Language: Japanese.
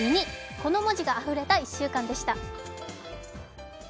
この文字があふれた１週間でした。